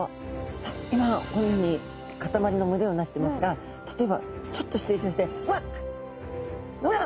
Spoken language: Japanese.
今このように固まりの群れをなしてますが例えばちょっと失礼しましてわっ！